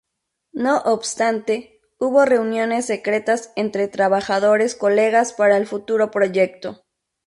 No obstante, hubo reuniones secretas entre trabajadores colegas para el futuro proyecto.